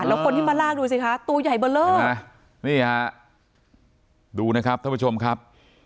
แล้วคนที่มาลากดูสิคะตัวใหญ่เบอร์เลอร์นี่ฮะดูนะครับท่านผู้ชมครับ